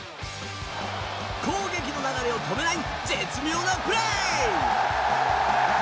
攻撃の流れを止めない絶妙なプレー！